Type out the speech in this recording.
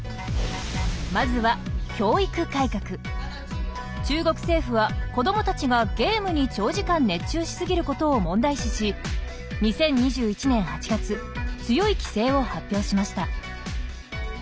まずは中国政府は子供たちがゲームに長時間熱中しすぎることを問題視し２０２１年８月強い規制を発表しました。